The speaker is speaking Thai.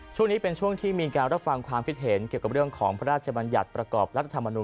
ช่วงนี้เป็นช่วงที่มีการรับฟังความคิดเห็นเกี่ยวกับเรื่องของพระราชบัญญัติประกอบรัฐธรรมนุน